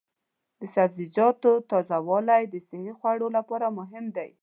د سبزیجاتو تازه والي د صحي خوړو لپاره مهمه ده.